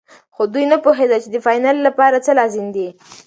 خو دوی نه پوهېدل چې د فاینل لپاره څه لازم دي.